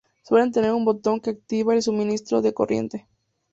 Suelen tener un botón que activa el suministro de corriente.